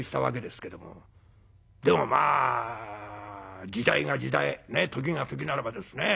でもまあ時代が時代時が時ならばですね